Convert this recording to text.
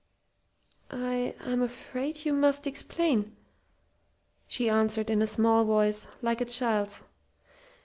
"I I'm afraid you must explain," she answered in a small voice, like a child's.